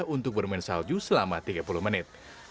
untuk bermain salju selama tiga puluh menit